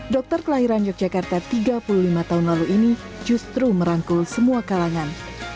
dokter kelahiran yogyakarta tiga puluh lima tahun lalu ini justru merangkul semua kalangan